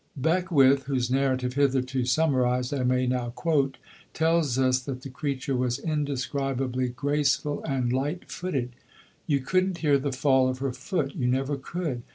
Beckwith, whose narrative, hitherto summarised, I may now quote, tells us that the creature was indescribably graceful and light footed. "You couldn't hear the fall of her foot: you never could.